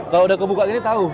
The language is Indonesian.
kalau udah kebuka gini tahu